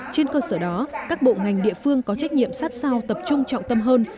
trên cơ sở đó các bộ ngành địa phương có trách nhiệm sát sao tập trung trọng tâm hơn